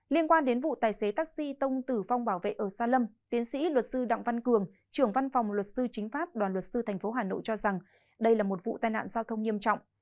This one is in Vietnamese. liên quan đến vụ tài xế taxi tông tử vong bảo vệ ở xa lâm tiến sĩ luật sư đặng văn cường trưởng văn phòng luật sư chính pháp đoàn luật sư tp hà nội cho rằng đây là một vụ tai nạn giao thông nghiêm trọng